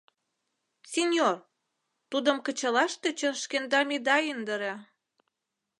— Синьор, тудым кычалаш тӧчен шкендам ида индыре.